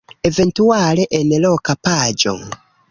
Eventuale en loka paĝo.